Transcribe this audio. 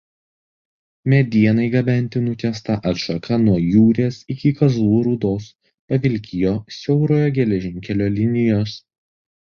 Medienai gabenti nutiesta atšaka nuo Jūrės iki Kazlų Rūdos–Pavilkijo siaurojo geležinkelio linijos.